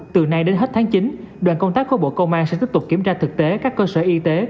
từ nay đến hết tháng chín đoàn công tác của bộ công an sẽ tiếp tục kiểm tra thực tế các cơ sở y tế